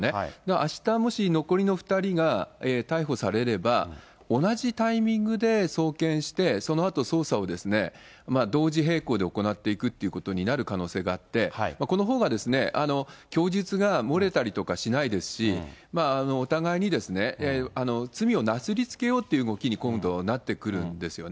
あしたもし残りの２人が逮捕されれば、同じタイミングで送検して、そのあと捜査を同時並行で行っていくということになる可能性があって、このほうが、供述が漏れたりとかしないですし、お互いに罪をなすりつけようという動きに今度なってくるんですよね。